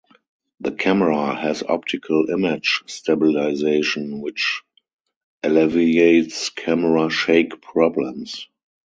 The camera has optical image stabilization, which alleviates camera shake problems.